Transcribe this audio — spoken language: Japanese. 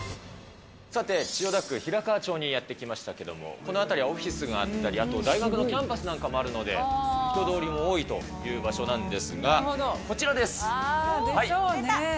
さて、千代田区平河町にやって来ましたけれども、この辺りはオフィスがあったりとか、あと大学のキャンパスなんかもあるので、人通りも多いという場所なんですが、こちらです。でしょうね。